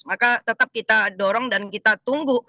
maka tetap kita dorong dan kita tunggu